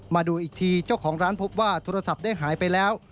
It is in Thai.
มาดูอีกทีเจ้าของร้านพบว่าโทรศัพท์ได้หายไปแล้ว